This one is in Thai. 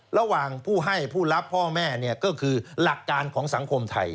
ระหว่างผู้ให้ผู้รับพ่อแม่ก็คือหลักการของสังคมไทย